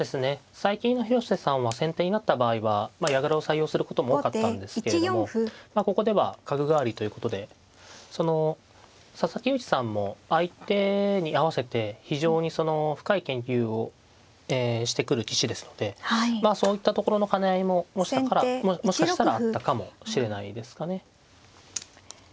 最近の広瀬さんは先手になった場合は矢倉を採用することも多かったんですけれどもまあここでは角換わりということで佐々木勇気さんも相手に合わせて非常にその深い研究をしてくる棋士ですのでそういったところの兼ね合いももしかしたらあったかもしれないですかね。